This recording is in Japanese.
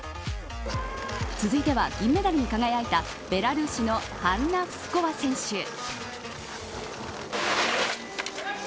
続いては銀メダルに輝いたベラルーシのハンナ・フスコワ選手。